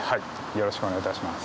よろしくお願いします。